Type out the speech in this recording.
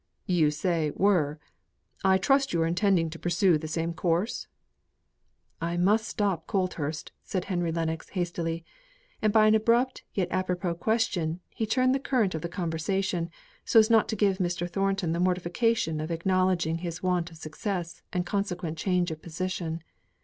"You say 'were.' I trust you are intending to pursue the same course?" "I must stop Colthurst," said Henry Lennox, hastily. And by an abrupt, yet apropos question, he turned the current of the conversation, so as not to give Mr. Thornton the mortification of acknowledging his want of success and consequent change of position.